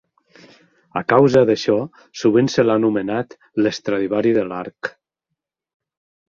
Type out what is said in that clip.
A causa d'això, sovint se l'ha anomenat el Stradivari de l'arc.